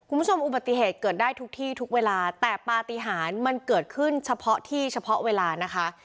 คุณผู้ชมอุบัติเหตุเกิดได้ทุกที่ทุกเวลาแต่ปฏิหารมันเกิดขึ้นเฉพาะที่เฉพาะเวลานะคะ